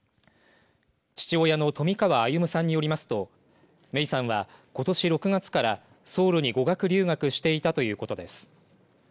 父親の冨川歩さんによりますと芽生さんは、ことし６月からソウルに語学留学していたということです。